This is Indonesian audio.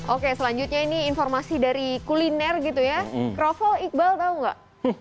oke selanjutnya ini informasi dari kuliner gitu ya krovel iqbal tau gak